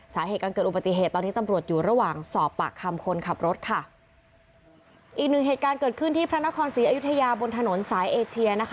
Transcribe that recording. สาเหตุการเกิดอุบัติเหตุตอนนี้ตำรวจอยู่ระหว่างสอบปากคำคนขับรถค่ะอีกหนึ่งเหตุการณ์เกิดขึ้นที่พระนครศรีอยุธยาบนถนนสายเอเชียนะคะ